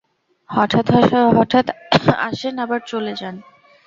হঠাৎ-হঠাৎ আসেন, আবার চলে যান।